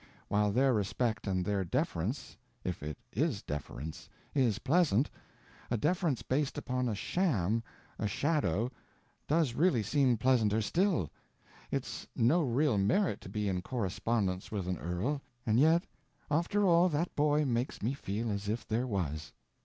While their respect and their deference—if it is deference—is pleasant, a deference based upon a sham, a shadow, does really seem pleasanter still. It's no real merit to be in correspondence with an earl, and yet after all, that boy makes me feel as if there was."